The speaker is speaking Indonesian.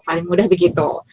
paling mudah begitu